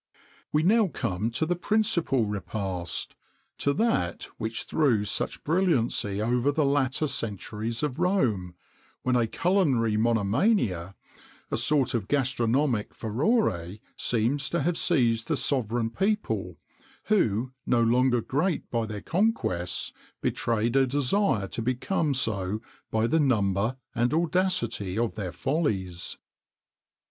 [XXIX 50] We now come to the principal repast, to that which threw such brilliancy over the latter centuries of Rome, when a culinary monomania, a sort of gastronomic furor, seemed to have seized the sovereign people, who, no longer great by their conquests, betrayed a desire to become so by the number and audacity of their follies.